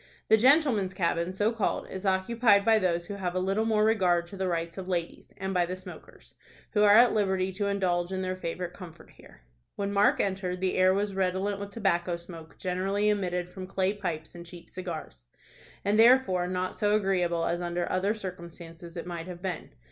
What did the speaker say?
The gentlemen's cabin, so called, is occupied by those who have a little more regard to the rights of ladies, and by the smokers, who are at liberty to indulge in their favorite comfort here. When Mark entered, the air was redolent with tobacco smoke, generally emitted from clay pipes and cheap cigars, and therefore not so agreeable as under other circumstances it might have been.